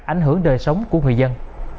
ảnh hưởng đời sống của người dân